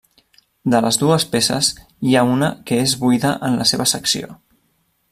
De les dues peces, hi ha una que és buida en la seva secció.